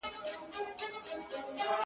خو درد پاته کيږي